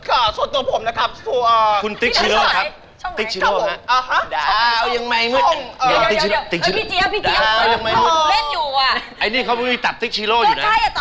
อ้าวมีแล้วอุ้ยตลกอ่ะมันมีเลขเสียง